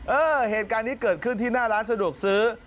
เออเหตุการณ์นี้เกิดขึ้นที่หน้าร้านสะดวกซื้อ